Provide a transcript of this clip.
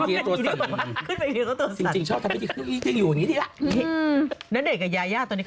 การไปในงานอีก